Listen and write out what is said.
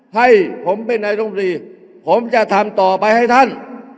ให้ผมเป็นนายรมรีผมจะทำต่อไปให้ท่าน